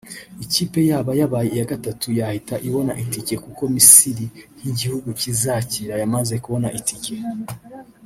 ikipe yaba yabaye iya gatatu yahita ibona itike kuko Misiri nk’igihugu kizakira yamaze kubona itike